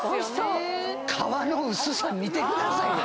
皮の薄さ見てくださいよ。